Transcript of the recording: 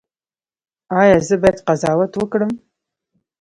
ایا زه باید قضاوت وکړم؟